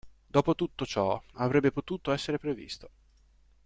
Dopotutto ciò avrebbe potuto essere previsto.